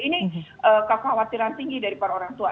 ini kekhawatiran tinggi dari para orang tua